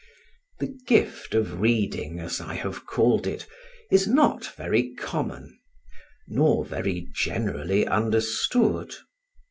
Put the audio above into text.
The gift of reading, as I have called it, is not very common, nor very generally understood.